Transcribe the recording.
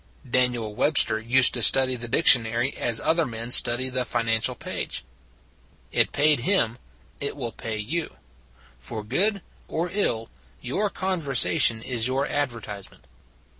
Daniel Webster used to study the dic tionary as other men study the financial page. It paid him ; it will pay you. For good or ill, your conversation is your advertisement.